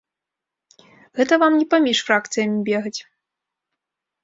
Гэта вам не паміж фракцыямі бегаць.